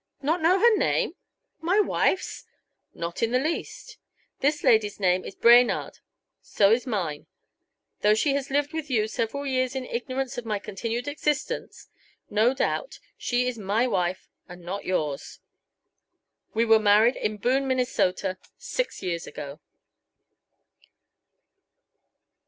"Not know her name? My wife's?" "Not in the least. This lady's name is Brainard. So is mine. Though she has lived with you several years in ignorance of my continued existence, no doubt, she is my wife and not yours. We were married in Boone, Minnesota, six years ago."